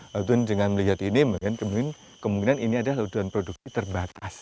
lalu dengan melihat ini kemungkinan ini adalah produksi terbatas